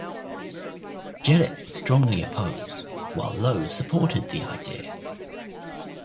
Jellett was strongly opposed while Lowe supported the idea.